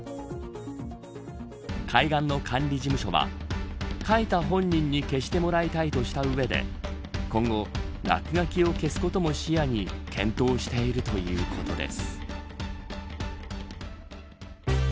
海岸の管理事務所は描いた本人に消してもらいたいとした上で今後、落書きを消すことも視野に検討しているということです。